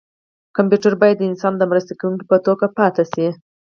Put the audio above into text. کمپیوټر باید د انسان د مرسته کوونکي په توګه پاتې شي.